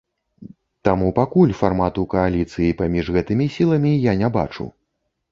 Таму пакуль фармату кааліцыі паміж гэтымі сіламі я не бачу.